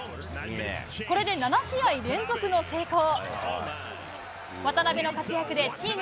これで７試合連続の成功。